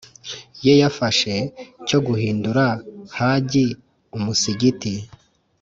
ye yafashe cyo guhindura Hagi umusigiti.